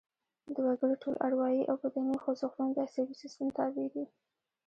د وګړي ټول اروايي او بدني خوځښتونه د عصبي سیستم تابع دي